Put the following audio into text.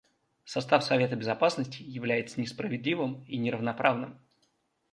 Состав Совета Безопасности является несправедливым и неравноправным.